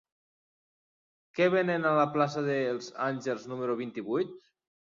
Què venen a la plaça dels Àngels número vint-i-vuit?